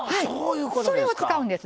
それを使うんです全部ね。